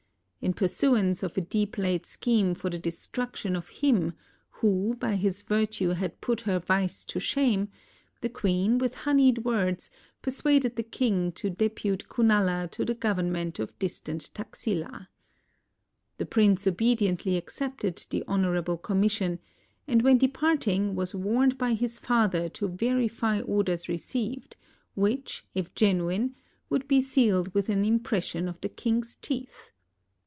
In pursuance of a deep laid scheme for the destruction of him who by his \drtue had put her vice to shame, the queen with honied words persuaded the king to depute Kunala to the gov ernment of distant Taxila. The prince obediently accepted the honorable com mission, and when departing was warned by his father 94 THE ROCK EDICTS OF ASOKA to verify orders received, which, if genuine, would be sealed with an impression of the king's teeth.